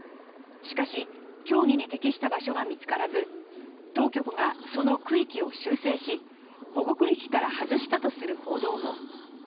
しかし競技に適した場所が見つからず当局がその区域を修正し保護区域から外したとする報道も。